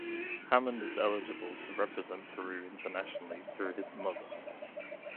Hammond is eligible to represent Peru internationally through his mother.